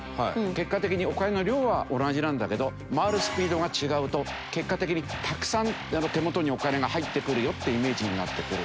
結果的にお金の量は同じなんだけど回るスピードが違うと結果的にたくさん手元にお金が入ってくるよってイメージになってくる。